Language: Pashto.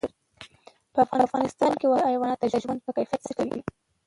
په افغانستان کې وحشي حیوانات د ژوند په کیفیت تاثیر کوي.